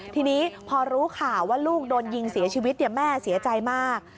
ทีนี้พอรู้ข่าวว่าลูกโดนยิงเสียชีวิตแม่เสียใจมาก